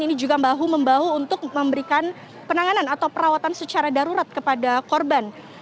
ini juga bahu membahu untuk memberikan penanganan atau perawatan secara darurat kepada korban